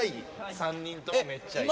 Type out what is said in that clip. ３人ともめっちゃいい。